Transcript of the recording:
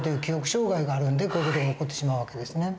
障害があるんでこういう事が起こってしまう訳ですね。